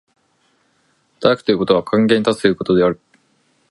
働くということは関係に立つということである。